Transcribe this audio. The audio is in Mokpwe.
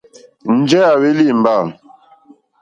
Njɛ̂ à hwélí ìmbâ.